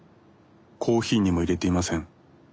コーヒーにも入れていません。